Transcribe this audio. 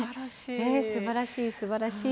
すばらしいすばらしい。